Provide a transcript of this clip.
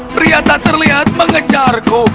priyata terlihat mengejarku